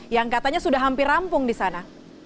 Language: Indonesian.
yang katanya sudah hampir rampung di sana